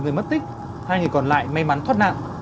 người mất tích hai người còn lại may mắn thoát nạn